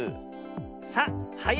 さあはや